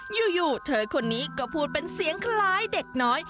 อยู่เธอคนนี้ก็พูดเป็นเสียงคล้ายเด็กน้อย